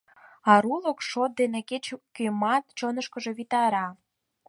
Арулык шот дене кеч-кӧмат чонышкыжо витара...